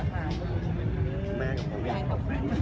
ขมายย่า